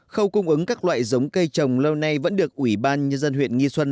khâu cung ứng các loại giống cây trồng lâu nay vẫn được ủy ban nhân dân huyện nghi xuân